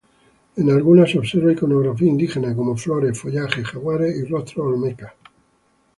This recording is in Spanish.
En algunas se observa iconografía indígena, como flores, follaje, jaguares y rostros olmecas.